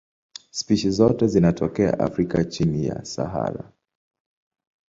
Spishi zote zinatokea Afrika chini ya Sahara.